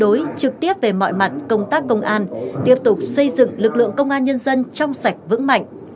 đảng ủy công an trung ương sẽ đối trực tiếp về mọi mặt công tác công an tiếp tục xây dựng lực lượng công an nhân dân trong sạch vững mạnh